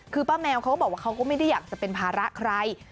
คือป้าแมวเขาก็บอกว่าเขาก็ไม่ได้อยากจะเป็นภาระใคร